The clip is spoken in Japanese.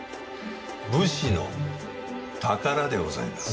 武士の宝でございます。